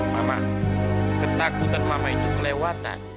mama ketakutan mama itu kelewatan